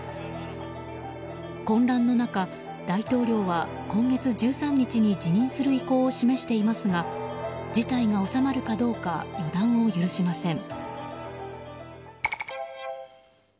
混乱の中、大統領は今月１３日に辞任する意向を示していますが事態が収まるかどうか予断を許しません。